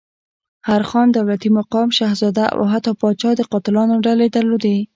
هر خان، دولتي مقام، شهزاده او حتی پاچا د قاتلانو ډلې درلودلې.